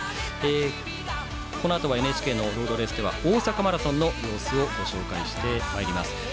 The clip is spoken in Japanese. このあとはＮＨＫのロードレースでは大阪マラソンの様子をご紹介してまいります。